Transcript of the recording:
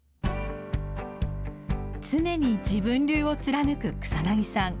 常に自分流を貫く草なぎさん。